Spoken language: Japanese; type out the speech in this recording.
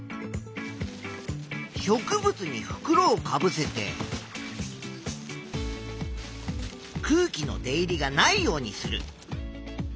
植物にふくろをかぶせて空気の出入りがないようにする。